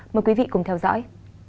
mời quý vị cùng theo dõi